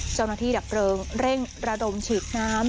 เจ้าหน้าที่ดับเปลืองเร่งระดมฉีดน้ำ